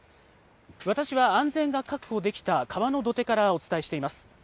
私は安全が確保できた川の土手からお伝えしています。